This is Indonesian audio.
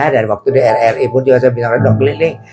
dari waktu di lri pun saya sudah keliling